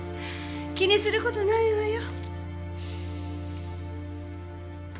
気にする事ないわよ。